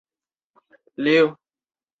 无线一般指的是无线电或无线电波。